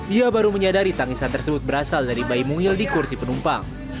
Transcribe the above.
ia baru menyadari tangisan tersebut berasal dari bayi mungil di kursi penumpang